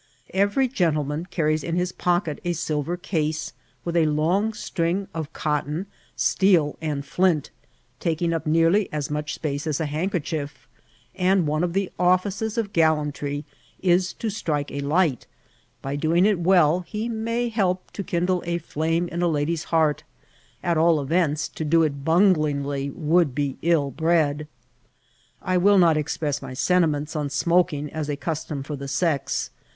Every gentleman carries in lus pock et a silver case, with a long string of cotton, steel and flint, taking up nearly as much qpace as a handker chief, and one of the offices of gaUantry is to strike a light ; by doing it well, he may help to kindle a flame in a lady's heart ; at all events, to do it bunglingly would be ill bred. I will not express my sentiments on smoking as a custom for the sex.